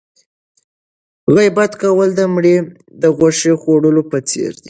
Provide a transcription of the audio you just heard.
غیبت کول د مړي د غوښې خوړلو په څېر دی.